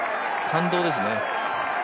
感動ですね。